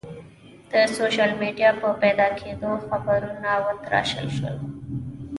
د سوشل میډیا په پیدا کېدو خبرونه وتراشل شول.